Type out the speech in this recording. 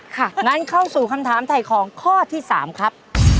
ค่ะงั้นเข้าสู่คำถามไทยคลองข้อที่๓ครับ